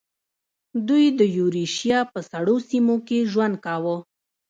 دوی د یوریشیا په سړو سیمو کې ژوند کاوه.